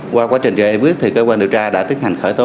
qua quá trình giải quyết cơ quan điều tra đã tiết hành khởi tố